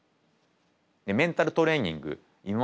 メンタルトレーニング今まで